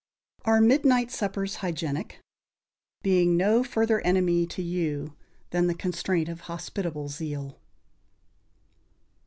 =Are Midnight Suppers Hygienic?= "Being no further enemy to you Than the constraint of hospitable zeal."